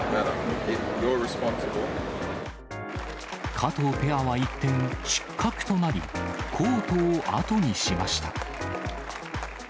加藤ペアは一転、失格となり、コートを後にしました。